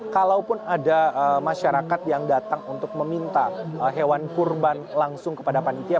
kalaupun ada masyarakat yang datang untuk meminta hewan kurban langsung kepada panitia